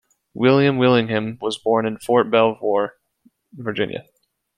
William Willingham was born in Fort Belvoir, Virginia.